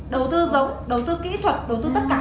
đầu tư giống đầu tư kỹ thuật đầu tư tất cả